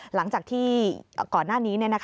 หลังจากที่ก่อนหน้านี้